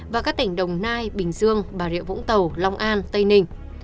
và các tỉnh đồng nai bình dương bà rịa vũng tàu long an tây ninh